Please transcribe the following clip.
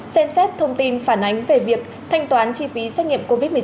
xem xét thông tin phản ánh về việc thanh toán chi phí xét nghiệm covid một mươi chín